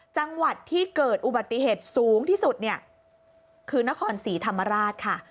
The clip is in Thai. จังหวัดที่เกิดอุบัติเหตุสูงที่สุดเนี่ยคือนครศรีธรรมราชค่ะ